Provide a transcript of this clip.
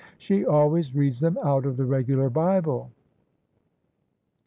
She always reads them out of the regular Bible."